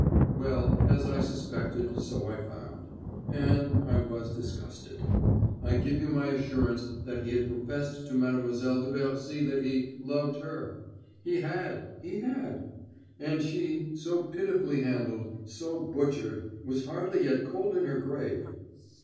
"Well, as I suspected, so I found. And I was disgusted. I give you my assurance that he had professed to Mademoiselle de Bercy that he loved her. He had, he had! And she, so pitifully handled, so butchered, was hardly yet cold in her grave.